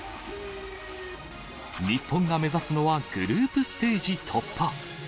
日本が目指すのはグループステージ突破。